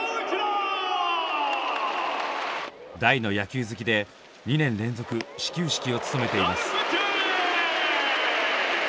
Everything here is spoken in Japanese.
大の野球好きで２年連続始球式を務めています。